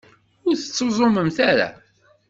Ur tettuẓumemt ara.